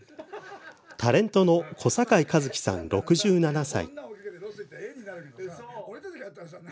タレントの小堺一機さん、６７歳。